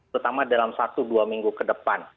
terutama dalam satu dua minggu ke depan